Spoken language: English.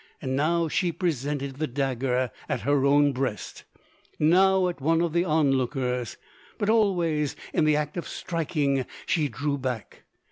Now she presented the dagger at her own breast, now at one of the onlookers; but always in the act of striking she drew back.